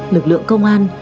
lực lượng công an